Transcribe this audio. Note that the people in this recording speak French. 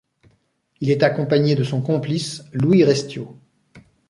Il est accompagné de son complice, Louis Restiaux.